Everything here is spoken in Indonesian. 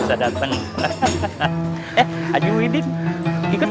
semua nyatanya sudah siap